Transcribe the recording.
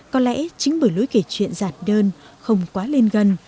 có lẽ chính bởi lối kể chuyện giạt đơn không quá lên gần